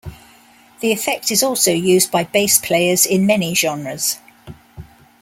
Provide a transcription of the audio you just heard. The effect is also used by bass players in many genres.